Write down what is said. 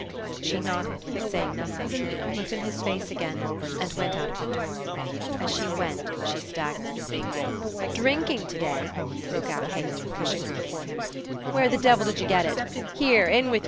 She nodded, saying nothing, looked in his face again, and went out of the door. As she went, she staggered. "Drinkin' to day?" broke out Haley, pushing her before him. "Where the Devil did you get it? Here, in with ye!"